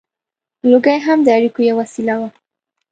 • لوګی هم د اړیکو یوه وسیله وه.